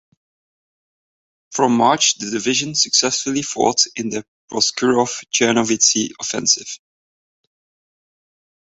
From March the division successfully fought in the Proskurov–Chernovitsy Offensive.